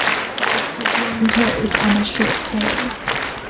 It has long toes and a short tail.